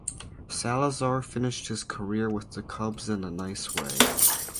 Salazar finished his career with the Cubs in a nice way.